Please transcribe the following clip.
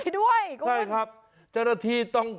แบบนี้คือแบบนี้คือแบบนี้คือ